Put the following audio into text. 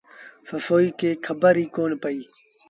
سسئيٚ کي کبر ئيٚ ڪونا پئيٚ۔